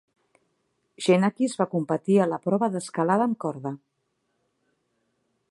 Xenakis va competir a la prova d'escalada amb corda.